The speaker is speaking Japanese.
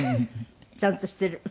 ちゃんとしてる。